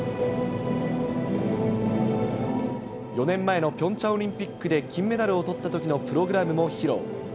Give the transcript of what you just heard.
４年前のピョンチャンオリンピックで金メダルをとったときのプログラムも披露。